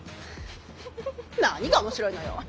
何が面白いのよ。